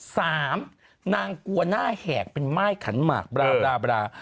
สามนางกลัวหน้าแห่งเป็นไม้ขันหมักบลา